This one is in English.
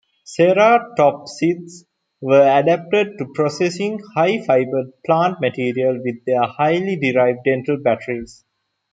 Ceratopsids were adapted to processing high-fiber plant material with their highly derived dental batteries.